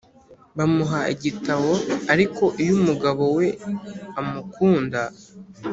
bamuha igitabo Ariko iyo umugabo we amukunda